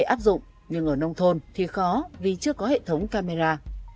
tôi nghĩ ở nông thôn thì có thể áp dụng nhưng ở nông thôn thì khó vì chưa có hệ thống camera